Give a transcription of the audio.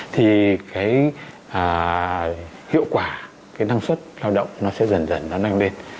thì hiệu quả năng suất lao động sẽ dần dần năng lên